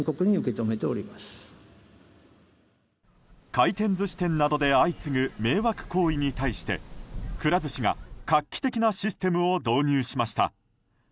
回転寿司店などで相次ぐ迷惑行為に対してくら寿司が画期的なシステムを導入しました。